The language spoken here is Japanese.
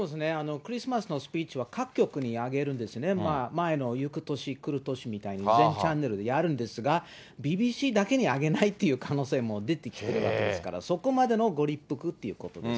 クリスマスのスピーチは、各局にあげるんですね、前のゆく年くる年みたいに、全チャンネルやるんですが、ＢＢＣだけにあげないっていう可能性も出てきてるわけですから、そこまでのご立腹ということです。